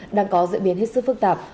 đang có diễn biến hết sức phức tạp